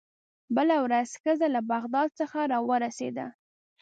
بله ورځ ښځه له بغداد څخه راورسېده.